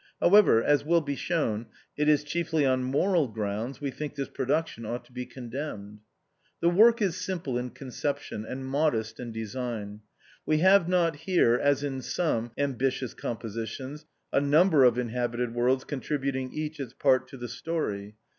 However, as will be shown, it is chiefly on moral grounds we think this production ought to be condemned. The work is simple in conception, and modest in design. We have not here as in some ambitious compositions, a num ber of inhabited worlds contributing each its part to the story.